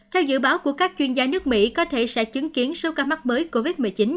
theo dự báo của các chuyên gia nước mỹ có thể sẽ chứng kiến số ca mắc mới covid một mươi chín